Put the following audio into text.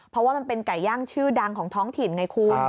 เพราะว่ามันเป็นไก่ย่างชื่อดังของท้องถิ่นไงคุณ